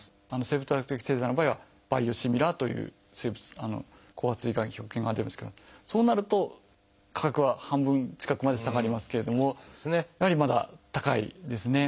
生物学的製剤の場合は「バイオシミラー」という出るんですけどそうなると価格は半分近くまで下がりますけれどもやはりまだ高いですね。